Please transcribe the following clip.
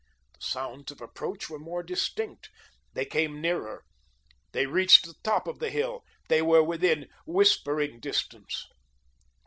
The sounds of approach were more distinct. They came nearer. They reached the top of the hill. They were within whispering distance.